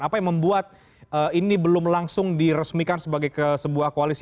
apa yang membuat ini belum langsung diresmikan sebagai sebuah koalisi